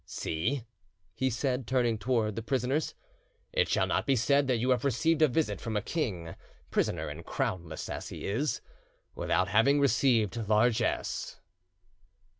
"See," he said, turning towards the prisoners, "it shall not be said that you have received a visit from a king, prisoner and crownless as he is, without having received largesse."